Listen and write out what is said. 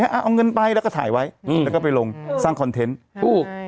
เอาเงินไปแล้วก็ถ่ายไว้แล้วก็ไปลงสร้างคอนเทนต์ถูก